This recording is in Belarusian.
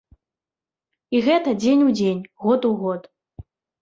І гэта дзень у дзень, год у год.